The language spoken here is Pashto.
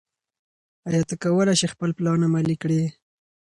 ایا ته کولای شې خپل پلان عملي کړې؟